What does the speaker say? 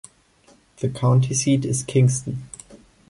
The county seat is Kingston.